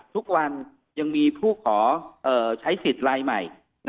ทุกวันยังมีผู้ขอใช้สิทธิ์ลายใหม่